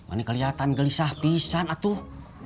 ini kelihatan gelisah pisang atuh